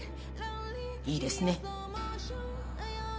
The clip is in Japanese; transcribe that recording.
いいですね？